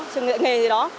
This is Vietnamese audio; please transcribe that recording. trường nghệ nghề gì đó